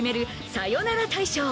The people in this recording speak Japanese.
サヨナラ大賞。